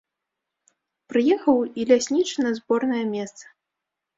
Прыехаў і ляснічы на зборнае месца.